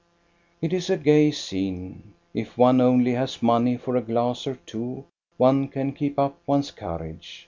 It is a gay scene. If one only has money for a glass or two, one can keep up one's courage.